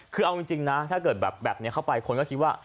คือเอาจริงนะถ้าเกิดแบบแบบนี้เข้าไปคนก็คิดว่า